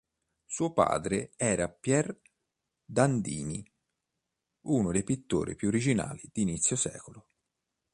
Suo padre era Pier Dandini, uno dei pittori più originali di inizio secolo.